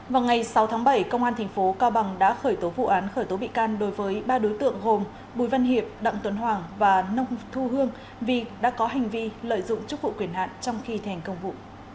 vào ngày sáu tháng bảy công an tp cao bằng đã khởi tố vụ án khởi tố bị can đối với ba đối tượng gồm bùi văn hiệp đặng tuấn hoàng và nông thu hương vì đã có hành vi lợi dụng chức vụ quyền hạn trong khi thành công vụ